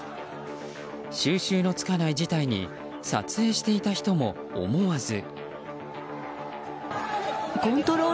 収拾のつかない事態に撮影していた人も思わず。